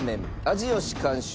味よし監修